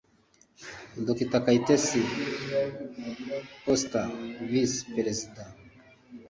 Dr Kayitesi Usta (Visi Perezida)